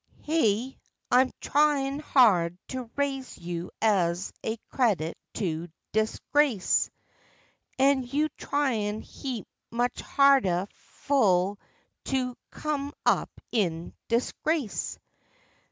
Heah I'm tryin' hard to raise you as a credit to dis race, An' you tryin' heap much harder fu' to come up in disgrace.